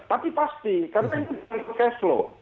tapi pasti karena ini cash flow